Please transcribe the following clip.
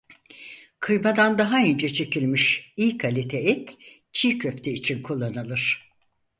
Kıymadan daha ince çekilmiş iyi kalite et çiğköfte için kullanılır.